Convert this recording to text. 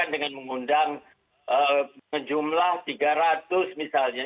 dengan mengundang jumlah tiga ratus misalnya